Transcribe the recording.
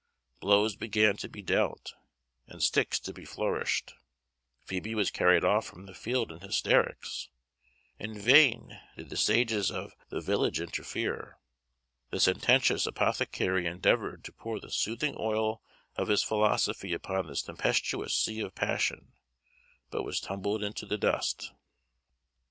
Blows began to be dealt, and sticks to be flourished. Phoebe was carried off from the field in hysterics. In vain did the sages of the village interfere. The sententious apothecary endeavoured to pour the soothing oil of his philosophy upon this tempestuous sea of passion, but was tumbled into the dust.